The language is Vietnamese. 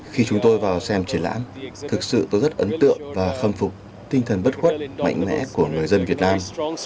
khi chúng tôi vào xem triển lãm thực sự tôi rất ấn tượng và khâm phục tinh thần bất khuất mạnh mẽ của người dân việt nam